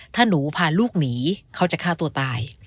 ถ้าหนูพาลูกหนีเขาจะฆ่าตัวตาย